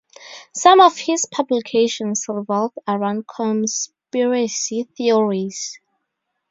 Some of his publications revolve around conspiracy theories.